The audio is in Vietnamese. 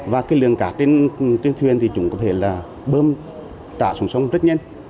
và cái lượng cá trên thuyền thì chúng có thể là bơm trả xuống sông rất nhanh